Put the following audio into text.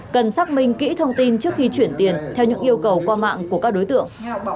cần xác minh kỹ thông tin trước khi chuyển tiền theo những yêu cầu qua mạng của các đối tượng